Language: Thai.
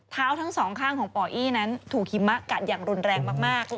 ทั้งสองข้างของป่ออี้นั้นถูกหิมะกัดอย่างรุนแรงมาก